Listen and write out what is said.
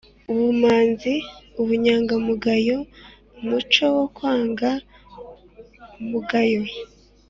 ubumanzi: ubunyangamugayo, umuco wo kwanga umugayo…